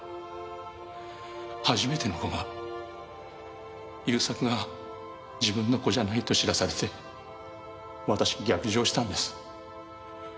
初めての子が勇作が自分の子じゃないと知らされて私逆上したんです。